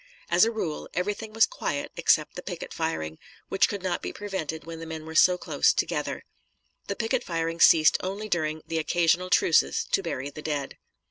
As a rule, everything was quiet except the picket firing, which could not be prevented when the men were so close together. The picket firing ceased only during the occasional truces to bury the dead.